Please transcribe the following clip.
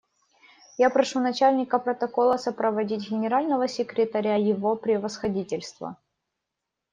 Я прошу Начальника протокола сопроводить Генерального секретаря Его Превосходительство.